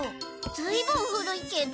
ずいぶん古いけど。